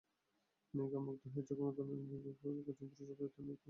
নায়িকারা মুগ্ধ হচ্ছে যেকোনো ধরনের একজন পুরুষ চরিত্রের নায়ককে এবং তাকে ভালোবাসছে।